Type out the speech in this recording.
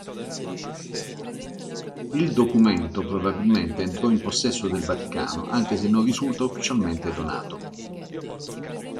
Il documento probabilmente entrò in possesso del Vaticano, anche se non risulta ufficialmente donato.